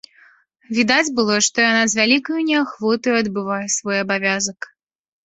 Відаць было, што яна з вялікаю неахвотаю адбывае свой абавязак.